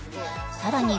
さらに